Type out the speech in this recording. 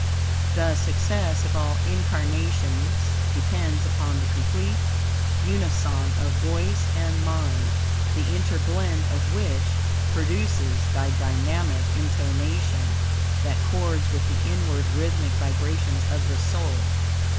The success of all incarnations depends upon the complete unison of VOICE and MIND, the interblend of which, produces the dynamic intonation, that chords with the inward rhythmic vibrations of the soul.